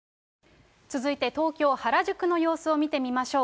続いて東京・原宿の様子を見てみましょう。